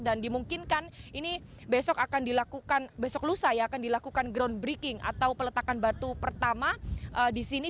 dan dimungkinkan ini besok akan dilakukan besok lusa ya akan dilakukan ground breaking atau peletakan batu pertama di sini